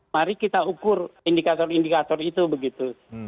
mari kita ukur indikator indikator itu begitu